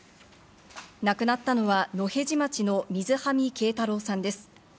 亡くなったのは野辺地町の水喰敬太郎さんです。